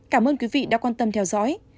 cảm ơn quý vị đã quan tâm theo dõi